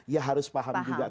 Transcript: ya harus paham juga